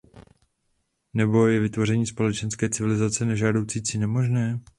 Nebo je vytvoření společné civilizace nežádoucí či nemožné?